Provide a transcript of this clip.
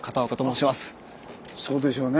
そうでしょうね